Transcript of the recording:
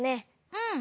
うん。